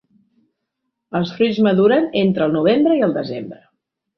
Els fruits maduren entre el novembre i el desembre.